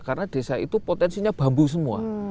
karena desa itu potensinya bambu semua